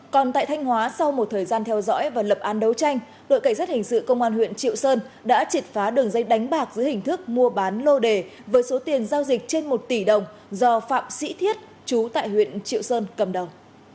còn tại thanh hóa sau một thời gian theo dõi và lập án đấu tranh đội cảnh sát hình sự công an huyện triệu sơn đã triệt phá đường dây đánh bạc dưới hình thức mua bán lô đề với số tiền giao dịch trên một tỷ đồng do phạm sĩ thiết chú tại huyện triệu sơn cầm đầu